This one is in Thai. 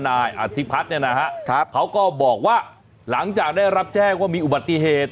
นายอธิพัฒน์เนี่ยนะฮะเขาก็บอกว่าหลังจากได้รับแจ้งว่ามีอุบัติเหตุ